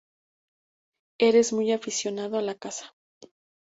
eres muy aficionado a la caza